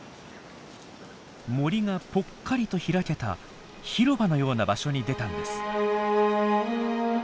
森がぽっかりと開けた広場のような場所に出たんです。